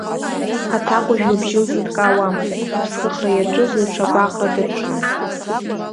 Аҭакәажә лыбжьы лызҭкаауамызт, аԥсхыхра иаҿыз леиԥш агәаҟра даҿын.